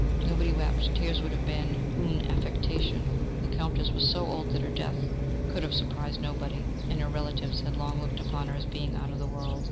Nobody wept; tears would have been une affectation. The Countess was so old, that her death could have surprised nobody, and her relatives had long looked upon her as being out of the world.